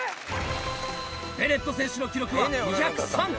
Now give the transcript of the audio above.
ベネット選手の記録は２０３個。